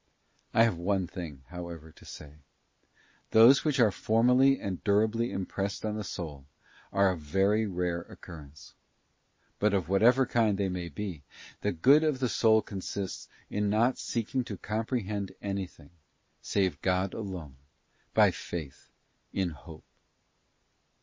I have one thing, however, to say; those which are formally and durably impressed on the soul are of very rare occurrence. But of whatever kind they may be, the good of the soul consists in not seeking to comprehend anything save God alone by Faith in Hope.